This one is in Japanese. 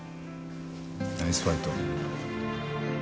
ナイスファイト。